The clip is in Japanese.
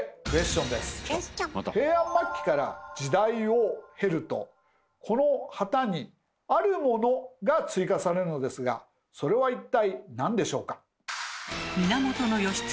平安末期から時代を経るとこの旗にあるものが追加されるのですがそれは一体何でしょうか？